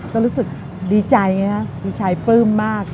ก็รู้สึกดีใจนะพี่ชายปลื้มมาก